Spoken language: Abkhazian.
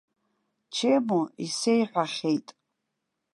Чемо исеиҳәахьеит.